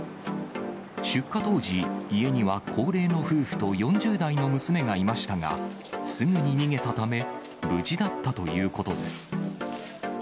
出火当時、家には高齢の夫婦と４０代の娘がいましたが、すぐに逃げたため、無事だったということです。